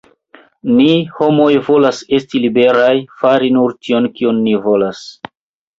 Ni homoj volas esti liberaj: fari nur tion, kion ni volas.